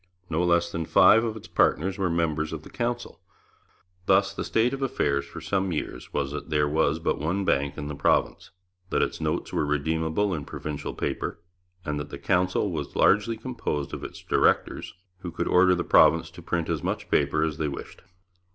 No less than five of its partners were members of the Council. Thus the state of affairs for some years was that there was but one bank in the province, that its notes were redeemable in provincial paper, and that the Council was largely composed of its directors, who could order the province to print as much paper as they wished!